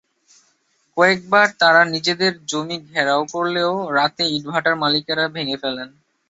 কয়েকবার তাঁরা নিজেদের জমি ঘেরাও করলেও রাতে ইটভাটার মালিকেরা ভেঙে ফেলেন।